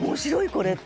これって。